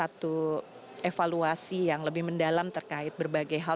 jadi kita juga ingin mencari teman teman yang lebih mendalam terkait berbagai hal